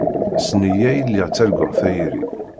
S nneyya i lliɣ ttarguɣ tayri.